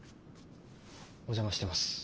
お邪魔してます。